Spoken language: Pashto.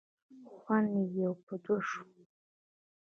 خوند یې یو په دوه شو.